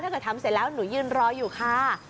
ถ้าเกิดทำเสร็จแล้วหนูยืนรออยู่ค่ะ